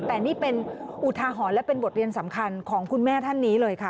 แต่นี่เป็นอุทาหรณ์และเป็นบทเรียนสำคัญของคุณแม่ท่านนี้เลยค่ะ